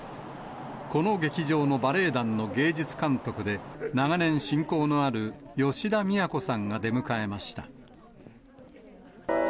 この劇場のバレエ団の芸術監督で、長年親交のある、吉田都さんが出迎えました。